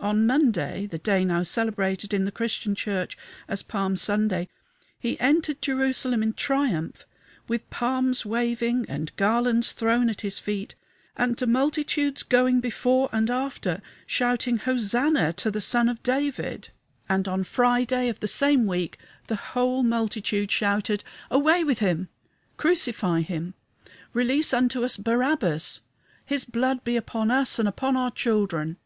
On Monday the day now celebrated in the Christian Church as Palm Sunday he entered Jerusalem in triumph, with palms waving, and garlands thrown at his feet, and the multitudes going before and after, shouting Hosanna to the Son of David; and on Friday of the same week the whole multitude shouted, "Away with him! Crucify him! Release unto us Barabbas! His blood be upon us and upon our children!"